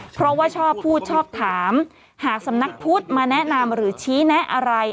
เพราะว่าชอบพูดชอบถามหากสำนักพุทธมาแนะนำหรือชี้แนะอะไร